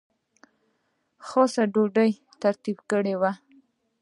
خاصه ډوډۍ ترتیب کړې وه.